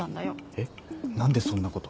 えっ何でそんなこと。